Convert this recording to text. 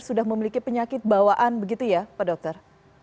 sudah memiliki penyakit bawaan begitu ya pak dokter